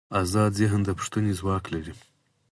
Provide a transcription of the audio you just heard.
ازاد ذهن د پوښتنې ځواک لري.